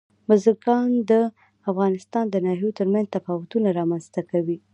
بزګان د افغانستان د ناحیو ترمنځ تفاوتونه رامنځته کوي.